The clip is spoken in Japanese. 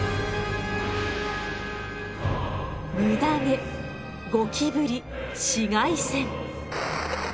ムダ毛ゴキブリ紫外線。